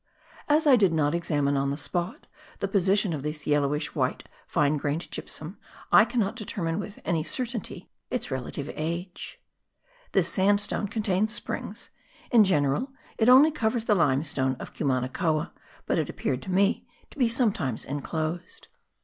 As I did not examine on the spot the position of this yellowish white fine grained gypsum I cannot determine with any certainty its relative age. ([Footnote not indicated:] This sandstone contains springs. In general it only covers the limestone of Cumanacoa, but it appeared to me to be sometimes enclosed.)